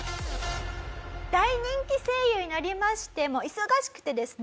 大人気声優になりましても忙しくてですね